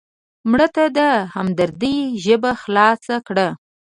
مړه ته د همدردۍ ژبه خلاصه کړه